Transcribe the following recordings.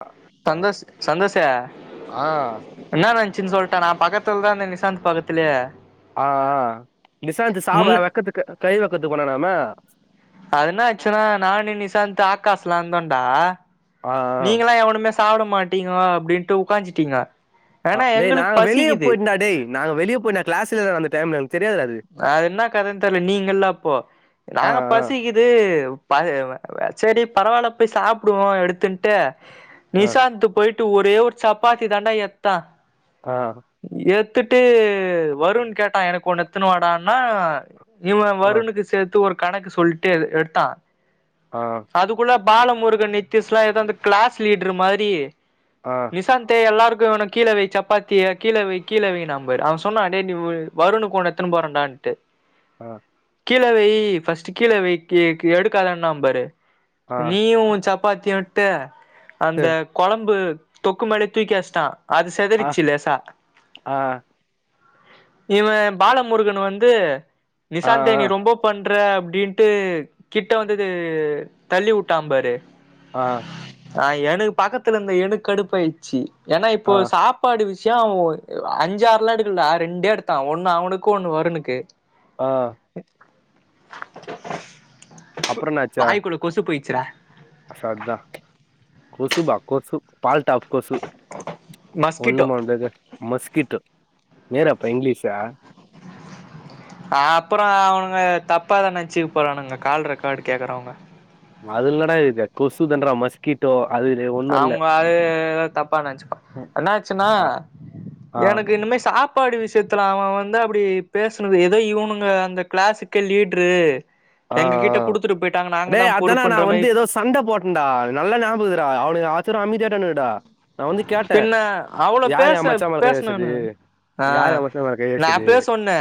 ஆ சந்தோஷ் சந்தோஷூ ஆ என்னா நெனச்சின்னு சொல்ட்ட நா பக்கத்துலதா இந்த நிசாந்த் பக்கத்துலயே ஆ அ நிசாந்து சாவ முன்ன வெக்கத்துக்கு கை வெக்கத்து போனானாம அது என்ன ஆச்சுன்னா நானு நிசாந்து ஆக்காஷ்லா இருந்தோன்டா ஆ நீங்களல்லா எவனுமே சாப்ட மாட்டீங்க அப்டின்ட்டு உக்காஞ்சிட்டீங்க அ ஆனா டேய் எங்களுக்கு நாங்க வெளிய பசிக்குது போய்ட்டோன்டா டேய் நாங் வெளிய போய்ட் நா கிளாஸ்லேலதா அந்த டைம்ல அது என்ன கத தெர்ல நீங்க இல்ல அப்போ ஆ நாங்க பசிக் ஆ குது செரி பரவால்ல போய் சாப்டுவோ எடுத்துட்டு நிஷாந்த்து போயிட்டு ஒரே ஒரு சப்பாத்தி தான்டா எட்த்தா ஆ எத்துட்டு வருண் கேட்டான் எனக்கு ஒண்ணு எத்துன வாடான்னா இவன் ஆ வருணுக்கு சேத்து ஒரு கணக்கு சொல்ட்டு எத்தான் ஆ அதுக்குள்ள பாலமுருகன் நித்திஸ்லா ஏதாவது கிளாஸ் லீட்ரு மாரி ஆ நிசாந்தே எல்லாருக்கு வேணு கீழ வை சப்பாத்திய கீழ வை கீழ வைன்னாம் பாரு அவன் சொன்னா டேய் வருணுக்கு ஒண்ணு எடுத்துன் போறடண்ட்டு ஆஹ கீழ வை ஃபஸ்ட் கீழ வை எடுக்காதண்ணா பாரு ஆ ஆ நீயு உன் சப்பி சப்பாத்தியுன்ட்டு அந்த கொழம்பு தொக்கு மேலே தூக்கி வச்ட்டா அது ஆ ஆ செதறிச்சு லேசா இவன் பாலமுருகன் வந்து நிசாந்து நீ ரொம்போ பண்ற அப்டின்ட்டு கிட்ட வந்து தள்ளி வுட்டான் பாரு ஆ ஆ எனக்கு பக்கத்துல இருந்த எனக்கு கடுப்பாயிடுச்சு ஏனா இப்போ ஆ சாப் பாடு விஷயம் அவன் அஞ்சாறுலா எடுக்கல ரெண்டே எடுத்தா ஒண்ணு அவனுக்கு ஒண்ணு வருணுக்கு ஆ அப்புறோ வாய்க்குள்ள கொசு போய்டுச்சுடா சர்தா கொசுபா கொசு பால்டாப் கொசு மஸ்கிட்டோ ஒண்ணுமாட்டது மஸ்கிட்டோ நேரப்பா இங்கிலீஷா அப்றோ அவனுங்க தப்பாதா நனச்சுக்க போறானுங்க கால் ரெக்கார்டு கேக்கறவங்க அது இல்லடா இது கொசு தாண்டா மஸ் க்கிட்டோ அது இது அவுங்க அது தப்பா நனச்சுக்கோ என்னச்சுன்னா ஆ ஆ எனக்கு இனிமே சாப் பாடு விஷயத்துல அவன் வந்து அப்படி பேசுனது ஏதோ இவனுங்க அந்த கிளாஸுக்கே லீட்ரு ஆ ஆ எங்க கிட்ட குடுத்துட்டு போயிட்டாங்க நாங்க தா டேய் அதான்டா நா பொறுப்புண்ற மாரி வந்து ஏதோ சண்ட போட்டன்டா நல்லா ஞாபகம் இருக்குடா அவனுக்கு ஆச்சிரம் அமைதியாய்டானுங்கடா பின்ன அவ்ளோ பேச மச்சா மேல கை வச்சது பேசனானு ஆ யாரு எ மச்சா மேல கை நான் வச்சது அப்பயே சொன்ன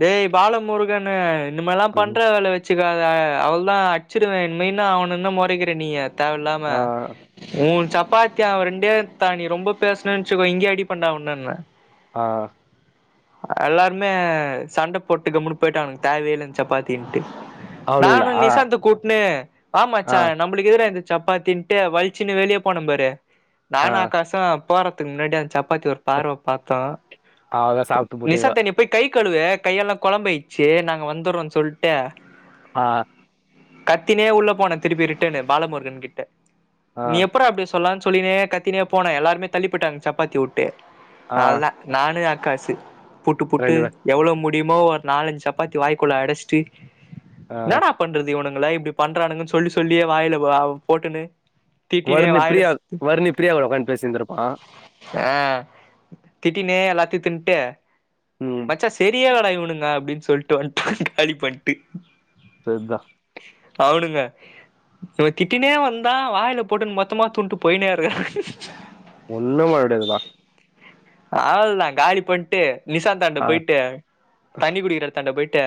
டேய் பாலமுருகனு இனிமேல்லா ம். பண்ற வேல வெச்சக்காத அவ்ளோதா அடிச்சிருவே இன்மே அவன என்னா மொறைக்கற நீ தேவ இல்லாம ஆ உன் சப்பாத்திய அவன் ரெண்டே எடுத்தான் நீ ரொம்ப பேசுனே் வெச்சுக்கோ இங்கேயே அடிப்பேன்டா உன்னன்ன ஆ எல்லாருமே சண்ட போட்டு கம்முன்னு போயிட்டானுங்க தேவையே இல்லன் சப்பாத்தின்னுட்டு அவனுங்களா நானு ஆ நிசாந்த கூட்ன்னு வா மச்சான் நம் உங்களுக் ஏதுறா இந்த சப்பாத்தின்ட்டு வலிச்சின்னு வெளிய போன பாரு ஆ நானும ஆக்காசு போறதுக்கு முன்னாடி அந்த சப்பாத்தி ஒரு பார்வ பார்த்தோ அவதா சாப்ட்டு போட்டீங்கோ நிசாந்த்து நீ போய் கை கழுவு கையெல்லா கொழம்பாயிடுச்சு நாங்க வந்துர்றோ சொல்ட்டு ஆ கத்தினே உள்ள போன திருப்பி ரிட்டன்னு பாலமுருகன் கிட்ட ஆ நீ எப்பட்றா அப்டி சொல்லா சொல்லிக்கினே கத்தினே போனேன் எல்லாருமே தள்ளிப்போய்ட்டாங்க சப்பாத்திய வுட்டு ஆ அவ்ளதான் நானே அக்காசு புட்டு புட்டு ரெண்டு பேர் எவ்வளோ முடியுமோ ஒரு நாலஞ்சு சப்பாத்தி வாய்க்குள்ள அடச்சிட்டு ஆ என்னடா என்னபண்றது இவனுங்கல்லாம் இப்படி பண்றானுங்கன்னு சொல்லி சொல்லியே வாயிலவ போட்டுன்னு தீட்டினே வாய்ல வர்ணி பிரியாவ உக்க்காந்து பேசியிருந்திருப்பான் அ திட்டினே எல்லாத்தையும் தின்ட்டு ம் மச்சா சரியானங்கடா இவனுங்க அப்படின்னு சொல்லிட்டு வந்ட்டான் காலி பண்ணிட்டு செர்தான் அவனுங்க இவ திட்டினே வந்தா வாயில போட்டுன்னு மொத்தமா துண்டுப் போய்னேரு ஒண்ணு பண்ண முடியாது வா அவ்ளோ தா காலி பண்ணிட்டு நிசாத் தாண்ட ஆ போயிட்டு தண்ணி குடிக்கிற தாண்ட போயிட்டு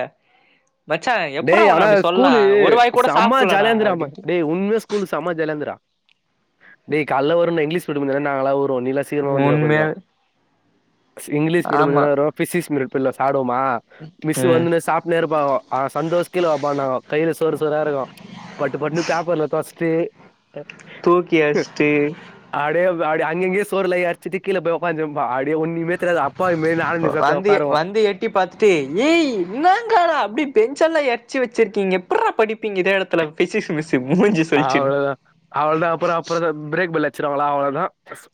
மச்சா எப்புட்றா டேய் உன்ன ஆனா அப்டி சொல்லா ஸ்கூல்லு ஒரு வாய் கூட செம சாப்புட்லடா ஜாலியாந்திர டே அம்ம டே அப்டின்ட்டு உண்மை சொ ஸ்கூலு செம ஜாலிந்திரா டேய் கால்ல வருனே இங்கிலீஷ் பீர்டு முடிஞ்ச உனே நாங்கல்லா ஓடுவோம் நீதா ஊண்மேயே ஃபஸ்ட் இங்லீஸ் பீருடு முடிஞ்சோன வரு பிசிக்ஸ் பீரூ பீருடுல சாப்டுவோமா மிஸ்ஸு ம் வந்துனு சாப்புட்னே இருப்பாங்கோ ஆ சந்சோஷ் கீழ வப்பாானாங்க கையில சோறு சோற இருக்கும் பட்டுபட்ணு பேப்பர்ல தொடச்சிட்டு தூக்கி அட்சிட்டு அடே அப் அடே அங்கிங்யும் சோர்ல இறச்சிட்டு கீழபோய் ஒக்காந்திருப்பா அப்டே ஒன்னிமே தெரியாத அப் அப்பாவி மெரி ஆ நீ செத்த வந்து ஒக்காருவோம் வந்து எட்டி பாத்தட்டு ஏய் என்னங்கடா அப்டி பெஞ்ச எல்லா எறச்சி வச்சிருக்கீங்க எப்ட்ற படிப்பீங்க இதே எடத்துல பிசிக்ஸ் மிஸ் மூஞ்சி சொல்ச்சுனு அவ்வளவுதான் அவ்வளவுதான் அப்புறம் அப்புறம் பிரேக்பெல் அட்ச்சிருவங்களா அவ்ளதான்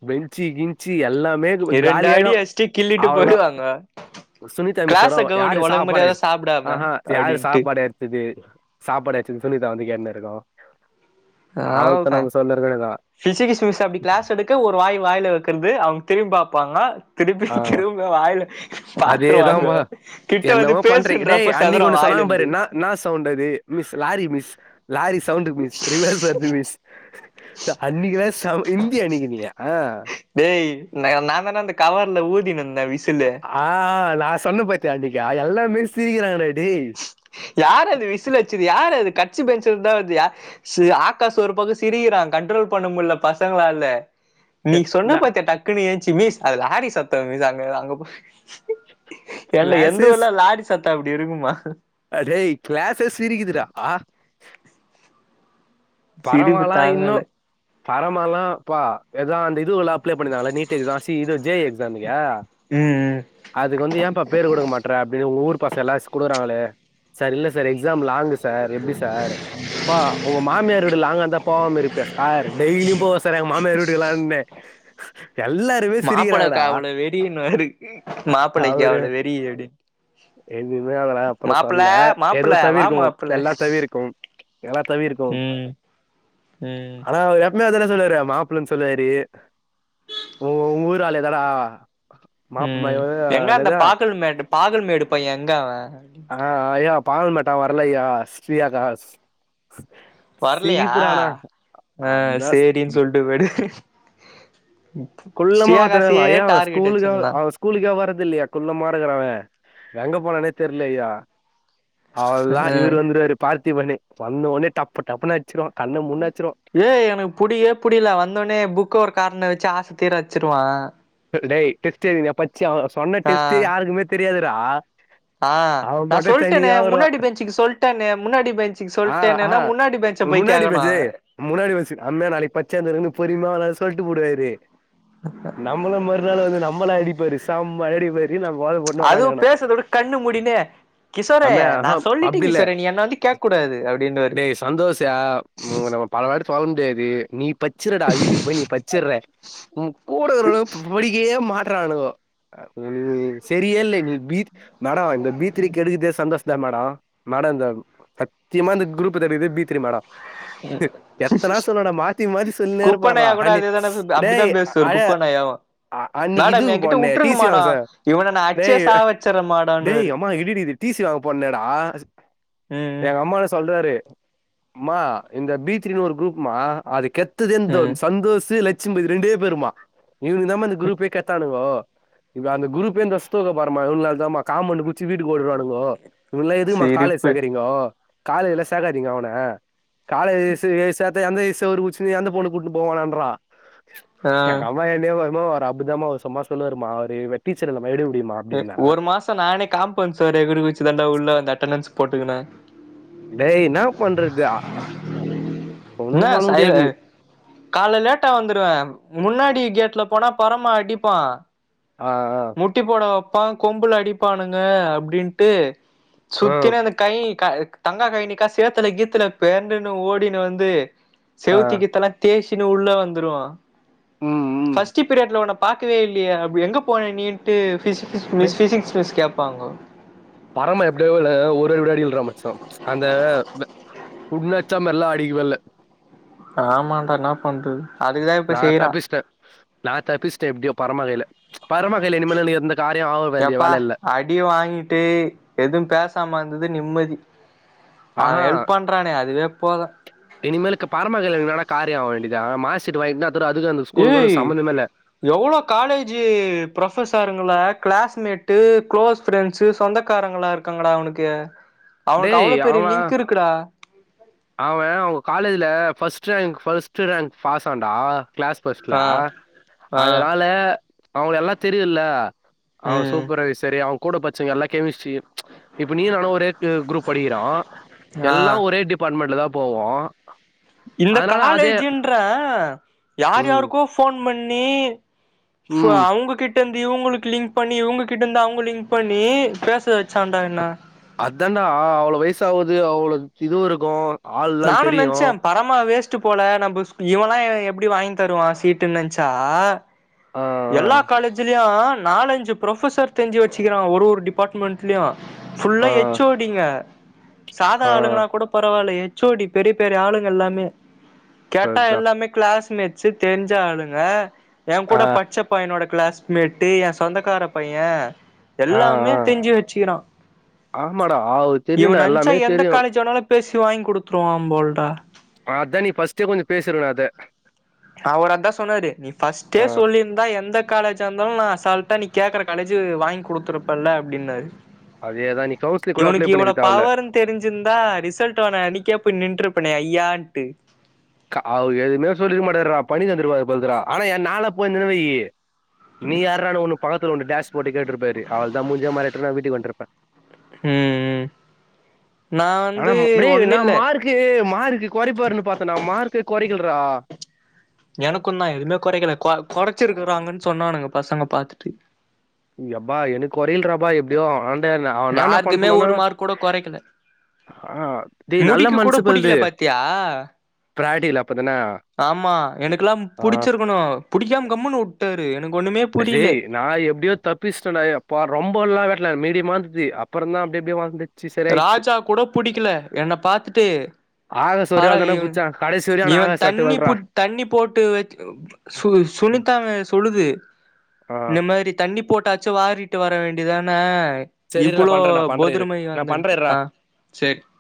பெஞ்சி கிஞ்சி எல்லாமே இரண்டு அடி காலியாயிடும் அச்சுட்டு கிள்ளிட்டு அவ்வளவுதான் போய்டுவாங்க சுனிதா விஸ்வருவாங்கோ யாரு சாப்பாடு சாப்டாம ஆஹா யாரு அப்டின்ட்டு சாப்பாடு இது சாப்பாடு வச்சது சுனிதா வந்து கேட்னு இருக்கும் ஆவ்ள்தா இருக்கதா பிசிக்கிஸ் மிஸ்ஸு அப்டி கிளாஸ் எடுக்க ஒரு வாய் வாயில வெக்கறது அவங்க திரும்பிபாப்பாங்க திருப்பி ஆ திரும்ப வாயில பாத்துருவாங்க அதேதான்பா கிட்ட வந்து என்னமோ பண்றீங்க பேசுனு டேய் அண்ணிக்கு ஒன்னு சொன்னாங்க பாரு என்னா என்னா சவுண்டது miss lorry miss lorry sound miss reverse வருது மிஸ் அன்னிக்கலாம் செம இந்தி அன்னக்குனிய ஆ டேய் [unintelligible] நா தான அந்தகவர்ல ஊதினிருந்தன் விசிலு ஆ நா சொன்னே பாத்தியா அன்னைக்கி அ எல்லாமே சிரிக்கிறாங்கடா டேய் யாரு அது விசில் வச்சது யாரு அது கட்சி பெஞ்சலதுந்தா வருது யா ச ஆகாஷ் ஒரு பக்கம் சிரிக்கிறான் கண்ட்ரோல் பண்ண முடில பசங்களால நீ சொன்ன நான் பத்திய டக்குக்னு ஏஞ்சி மிஸ் அது லாரி சத்தம் மிஸ் அங்க அங்க போயி என்டா எந்த கிளாஸஸ் ஊர்ல லாரி சத்தம் அப்படி இருக்குமா அடேய் கிளாஸே சிரிக்குதுடா ஆ சிரிப்பு பரவாலா தாங்கல இன்னும் பரமால்லா பா எதா அந்த இதுவுலா அப்ளை பண்ணிருந்தாங்கல நீட் இதான் ஸி இது ஜே [unintelligible] [unintelligible] ம் அதுக்கு வந்து ஏம்பா பேர் கொடுக்க மாட்ர அப்டின்னு ஊர் பஸங்லாம் ஸ் குடுகறாங்களே சார் இல்ல சார் எக்ஸாம் லாங் சார் எப்டி சார் பா ஒங்க மாமியாரு வீடு லாங்காந்தா போவாம இருப்யா சார் டெய்லியு போவ சார் எங்க மாமியார் வீட்டுக்கலா எல்லாருமே எல்லா மாப்பளக்கு அவ்ளோ வெறின்னுவாரு மாப்பிளைக்கு அவரு அவ்ள வெறி அப்டி எதுவுமே அதெல்லா அப்பறோ சொல்ல எது மாப்பிள்ள வா தவிர்க்கவு மாப்பிள்ள எல்லா தவிர்கவு எலா தவிர்க் ம் ம் அண்ணா அவுரு எப்பமேஅதானே சொல்லுவாரு மாப்ள்ளனு சொல்லாரு உ உங்க ஊராலு எங்கடா ம் எங்க அந்த பாக்கல்மேட்டு பாகல் மேடு பபைய எங்கவ ஆ ஐயா பாகல் மேட்டா வரலையா ஸ்ரீயா காஸ் வரலையா சிரிப்புடா ஆனா [inaudible] ஆ சேரின்னு சொல்ட்டு போயிடு குள்ளமா ஒர்த்தவ ஸ்ரீயாகாசியே ஐயா அவ டார்கெட் ஸ்கூலுக்கு வச்சிருந்தா அவ ஸ்கூலுக்கே வரது இல்லையா குள்ளமா இருக்கறவ எங்க போனானே தெர்லையா அவ்ள்தா ம் இவரு வந்துருவாரு பார்த்திபன்னு வந்தோனே டப்பு டப்புன்னு அச்சிருவோ கண்ண மூன்னச்சிருவோ ஏய் எனக்கு புடியவே புடில வந்தோனே புக்கு ஒரு கார்னர் வச்சு ஆச தீர அச்சிருவ டேய் டெஸ்ட் எய்தனயா பச்சியா சொன்ன ஆ டெஸ்ட் யாருக்குமே தெரியாதுரா ஆ நான் சொல்ட்டனே வருவான் முன்னாடி பெஞ்சுக்கு சொல்ட்டனே முன்னாடி பெஞ்சுக்கு ஆ ஆ சொல்ட்டனேன்னா முன்னாடி பெஞ்ச போய் முன்னாடி கேக்கணு பேச்சு முன்னாடி வருசு அண்ண நாளைக்கு பச்சந்தருன்னு பொரிமாவானா சொல்ட்டு பூடுவாரு [unintelligible] நம்மலும் மறுநாள் வந்து நம்மள அடிப்பாரு சம்மயா அடிப்பாரு இப்டி நா போத போட்னே அதுவு ஒக்காந்துக்கணு பேசுறத விட கண்ணு மூடினு கிஷோரே நா அமேகம் சொல்லிட்டே அப்டில்ல கிஷோரே நீ என்ன வந்து கேக்க கூடாது அப்டின்னு டேய் சந்தோஷு ஆ உ நம்ம பல வாட்டி சொல்ல முடியாது நீ பச்சிருடா வீட்டுக்கு போய் நீ பச்சிற்ற ஒ கூட இருக்கனு படிக்கே மாட்றானுங்கோ செரியே இல்ல நீ பி மேடோ இந்த பீ த்ரீ கெடுக்குதே சந்தோஷ்தா மேடோ மேடோ இந்த சத்தியமா இந்த குரூப்பு தெரிது பீ த்ரீ மேடோ எத்தனா சொல்லடா மாத்தி மாத்தி சொல்னேருப்பார்ரா குப்பனாயா கூட அண்ணி அதேதான அப்டிதா டேய் பேசுவாரு அழ குப்பனாயாவு அ அன்னிக்கு மேடம் இதுக்கு என்கிட்ட போன்னே டீ விட்டுருங்க சி மேடம் வாங்கசோ இவனை நான் அடிச்சே டேய் சாக வச்சிடறேன் மேடம்னுவாரு டேய் அம்மா இடி இடிக்குது டீ சி வாங்க போன்னேடா ம் ராரு அம்மா இந்த பி த்ரீன்னு ஒரு குரூப்மா அதுக்கேத் திதிம்தோம் ம் சந்தோசு லட்சுமி இது ரெண்டே பேருமா இவனுங்கதாமா இந்த குரூப்பே கெத்தானுங்கோ இப்ப அந்த குரூப்பே இந்தவஸ்தோட பாருமா இவனுங்ளாலதான்மா காம்மௌன்ட் வீட்டுக்கு ஓடுருவானுங்கோ இவனுங்களா எதுக்மா காலேஜ் சிரிப்பு சேகறீங்கோ காலேஜ்ல சேக்காதிங்கோ அவன காலேஜி சேத்து எந்த செவுரு குதிச்சினு எந்த பொண்ணு கூட்டு போவானன்றா ஆ எங்க அம்மா என்னையே [unintelligible] அவரு அப்டிதாமா அவரு சும்மா சொல்லுவாருமா அவரு டீச்சர் இல்லம்மா எடுபுடிமா ஒரு மாசோ நானே காம்பவுண்ட் செவுரு எகிரிகுச்சுதாண்டா உள்ள வந்து அட்டனன்ஸ் போட்டுக்கன டேய் என்னா பண்றது ஒண்ணு பண்ண முடியாது கால்ல லேட்டா வந்துருவ முன்னாடி கேட்ல போனா பறமா அடிப்பா ஆ ஆ முட்டி போட வப்பா கொம்புல அடிப்பானுங்க அப்டின்ட்டு சுத்தினேந்த கை க தங்காகய் நிக்கா சேத்துல கீத்துல பேண்டுன்னு ஓடினு வந்து செவுத்து கித்தெல்லா தேச்சின்னு உள்ள வந்துருவா ம் ஃபஸ்ட்டு பீரியட்ல ஒன்ன பாக்கவே இல்லயே அப்டி எங்க போன நீ ட்டு ஃபிசிகிஸு மிஸ் ஃபிசிக்ஸ் மிஸ் கேப்பாங்க பரம எப்டியாது வெல்ல ஒரு விளையாடில்றா மச்சா அந்த வ உட்ணாச்சா மெல்ல அடிக்கவே இல்ல ஆமாண்டா என்ன பண்றது அதுக்குதான் இப்ப நா செய்யறான் தப்பிச்ட்டே நா தப்பிச்ட்டே எப்டியோ பரமா கைல பரமா கைல இனிமேலு நீ எந்த காரிய ஆக வேண்டிய எப்பா வேல இல்ல அடி வாங்கிட்டு எது பேசாம இருந்ததே நிம்மதி அவ ஆஹா! ஹெல்ப் பண்றானே அதுவே போது இனி மேலுக்கு பரமா கைல என்னடா காரிய ஆவ்வேண்டியதா மார்க்சீட்டு வாங்கிட்னா அத்தோட அதுக்கு அந்த ஸ்கூலுகு ஒனக்கு சம்மந்தமே இல்ல எவளோ காலேஜு ப்ரொஃபஸருங்கள கிளாஸ்மேட்டு க்ளோஸ் ஃப்ரெண்ட்ஸு சொந்தக்காரங்களா இருக் காங்கடா அவனுக்கு அவனுக்கு டேய்! அவ்ளோ பெரிய லிங்க்கு இருக்குடா அவ அவ்ங்க காலேஜுல ஃபஸ்ட் ரேங்க் ஃபஸ்ட்டு ரேங்க் பாஸான்டா க்ளாஸ் ஃபஸ்ட்ல ஆ ஆ அதனால அவ்ங்கள எல்லா தெரியுல்ல அவ ம் சூப்பர்வைசரு அவ கூட பச்சவ்கள்லா கெமிஸ்ட்ரி இப்ப நீயு நானு ஒரே து குரூப் படிக்கிறோ ஆ எல்லா ஒரே டிபார்ட்மெண்ட்ல தா போவோ இந்த காலேஜுன்ற யார் ம் யாருக்கோ ஃபோன் பண்ணி ஃபோ ம் அவ்ங்ககிட் கிட்ட இருந்து இவ்ங்களுக்கு லிங்க் பண்ணி இவ்ங்க கிட்டருந்து அவ்ங்க லிங்க் பண்ணி பேச வச்சான்டா என்ன அதனா அவ்வளோ வயசு ஆவுது அவ்வளோக் கிதுவு இருக்கு நானு நென்ச்சம் பரமா வேஸ்ட்டு போல நம்ப இவலா எப்டி வாங்கி தருவா சீட்டுன் நென்ச்சா ஆ எல்லா காலேஜ்லயு நாலஞ்சு ப்ரொஃபசர் தெரிஞ்சு வச்சுக்கிறாங்க ஒரு ஒரு டிபார்ட்மெண்ட்லயு ஃபுல்லா ஆ எச் ஓ டி ங்க சாதா ஆ ஆ ஆளுங்கனா கூட பரவால்ல எச் ச்சோடி பெரிய பெரிய ஆளுங்க எல்லாமே கேட்டா அதான் எல்லாமே க்ளாஸ்மேட்ஸு தெரிஞ்ச ஆளுங்க எ ஆ கூட படிச் ச்ச பையனோட க்ளாஸ்மேட்டு என் சொந்தக்கார பைய ஆ எல்லாமே ஆ தெரிஞ்சு வச்சுக்கிறா ஆமாடா அது தெரியும்டா இவன அன்ம்ச்சா எல்லாமே எந்த தெரியும் காலேஜு வேனாலு பேசி வாங்கி குடுத்துருவா போல்டா அதா நீ ஃபஸ்ட்டே கொஞ்ச பேசிருக்கணு அத அவர் அதா சொன்னாரு நீ ஃபஸ்ட்டே ஆ சொல்லிருந் ந்தா எந்த காலேஜா இருந்தாலு நா அசால்ட்டா நீ கேக்குற காலேஜு வாங்கி குடுத்துருப்பல்ல அப்டின்னாரு அதே தா நீ கவுன்சிலி்ங் கூட இவனுக்கு அப்ளே இவ்ளோ பண்ணிருக்க அதுல பவர்ன்னு தெரிஞ்சிருந்தா ரிசல்ட் வர அன்னைக்கே போய் நின்றுருப்பனே ஐயான்ட்டு கா அவரு எதுமே சொல்லிருக்க மாட்டார்றா பண்ணி தந்துருப்பார் பர்தறா ஆனா எ நாலா போயிருந்தேனா வையி நீ யார்றானு ஒன்னு பக்கத்துல ஒன்னு டாஷ் போட்டு கேட்ருப்பாரு அவள்தா முட்ஞ்ச மாரி எட்த்துட்டு போய் அவ வீட்டுக்கு வந்துருப்ப ம் ம் நா ஆனா வந்து மத்தபடி நா ஒன்னில்ல மார்க் க்கு மார்க்கு கொறைப்பாருன் பாத்தன்டா மார்க்கே கொறைக்கல்றா எனக்குந்தா எதுமே கோறைக்கல கொ கொறைச்சிருக்குறாங்கன் சொன்னானுங்க பசங்க பாத்துட்டு எப்பா எனக்கு கொறையல்றாப்பா எப்டியோ அவ என்னான்னா பண்ண யாருக்குமே சொன்னானா ஒரு மார்க் கூட கொறைக்கல ஆ டேய் நல்ல முடிக்க கூட மன்சுபல்து புடிக்கல பாத்தியா பிராக்டிகல் அப்பதான ஆமா எனக்குலாம் ஆ புடிச்சிருக்கணு புடிக்காம கம்முன்னு வுட்டாரு எனக்கு ஒண்ணுமே புரியல அசேய் நா எப்டியோ தப்பிஸ்டன் டா எப்பா ரொம்பல்லா வெட்டல மீடியமா இருந்தது அப்பறந் தா அப்டி அப்டியே வாழ்ந்து ராஜா கூட புடிக்கல என்ன பாத்துட்டு ஆகாஸ் ஒரே பர ஆள் தான்டா புச்சா கடைசி வரையு அவன இவன் ஆகாஸ் வர்டு தண்ணி பு வல்றா தண்ணி போட்டு வச்ச சு சுனித்தானு சொல்லுது ஆ இந்த மாரி தண்ணி போட்டாச்சு வாரிட்டு வர வேண்டிதான செரி இரு நா இப்பளோ பண்றே நா பண்றே இரு போதிரமய நா பண்றே வந்தன்ட்டு இர்றா அ சேர்